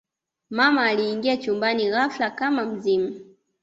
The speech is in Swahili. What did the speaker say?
mama aliingia chumbani ghafla kama mzimu